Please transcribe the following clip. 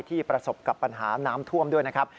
ประสบกับปัญหาน้ำท่วมด้วยนะครับ